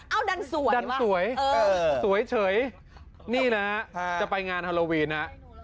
เอาดันสวยดันสวยสวยเฉยนี่นะจะไปงานฮาโลวีนนะ